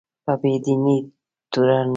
په بې دینۍ تورن شي